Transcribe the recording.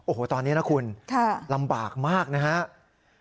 โอ้โหตอนนี้นะคุณลำบากมากนะครับ